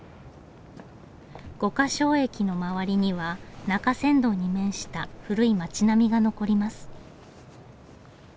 五箇荘駅の周りには中山道に面した古い町並みが残ります。